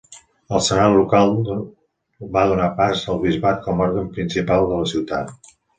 El senat local va donar pas al bisbat com a òrgan principal de la ciutat.